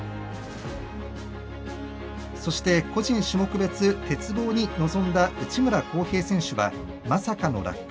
そして、個人、種目別鉄棒に臨んだ内村航平選手はまさかの落下。